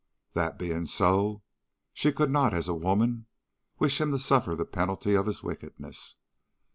"This being so, she could not, as a woman, wish him to suffer the penalty of his wickedness.